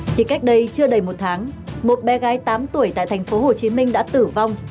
chỉ cách đây chưa đầy một tháng một bé gái tám tuổi tại thành phố hồ chí minh đã tử vong